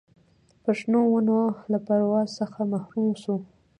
پر شنو ونو له پرواز څخه محروم سو